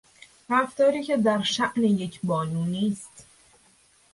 رفتاری که در شان یک بانو نیست